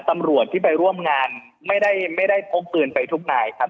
ตำรวจที่ไปร่วมงานไม่ได้ไม่ได้พกปืนไปทุกนายครับ